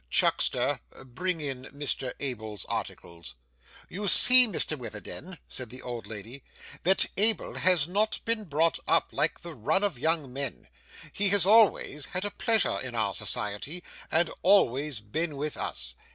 Chuckster, bring in Mr Abel's articles.' 'You see, Mr Witherden,' said the old lady, 'that Abel has not been brought up like the run of young men. He has always had a pleasure in our society, and always been with us.